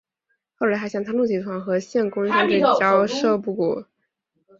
后来他向三鹿集团和县工商局交涉不果。